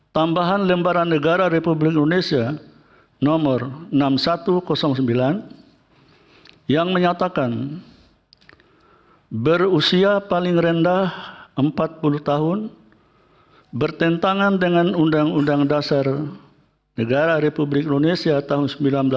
tambahan lembaran negara republik indonesia nomor enam ribu satu ratus sembilan yang menyatakan berusia paling rendah empat puluh tahun bertentangan dengan undang undang dasar negara republik indonesia tahun seribu sembilan ratus empat puluh lima